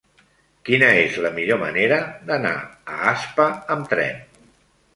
Quina és la millor manera d'anar a Aspa amb tren?